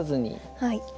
はい。